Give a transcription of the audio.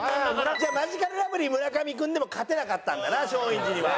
じゃあマヂカルラブリー村上君でも勝てなかったんだな松陰寺には。